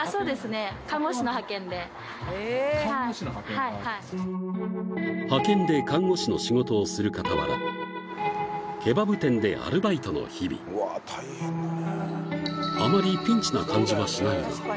はいはい派遣で看護師の仕事をする傍らケバブ店でアルバイトの日々あまりピンチな感じはしないが